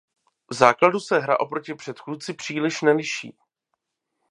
V základu se hra oproti předchůdci příliš neliší.